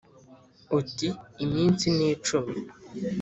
uti: iminsi ni icumi.